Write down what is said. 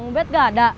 mau ubet nggak ada